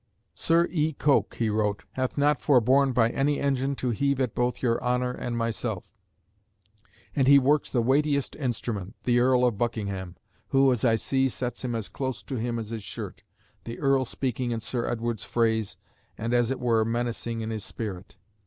"Sir E. Coke," he wrote, "hath not forborne by any engine to heave at both your Honour and myself, and he works the weightiest instrument, the Earl of Buckingham, who, as I see, sets him as close to him as his shirt, the Earl speaking in Sir Edward's phrase, and as it were menacing in his spirit."